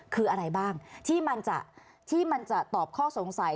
คืออะไรบ้างที่มันจะตอบข้อสงสัย